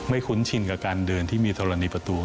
คุ้นชินกับการเดินที่มีธรณีประตู